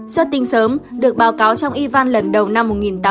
xuất tinh sớm được báo cáo trong ivan lần đầu năm một nghìn tám trăm tám mươi bảy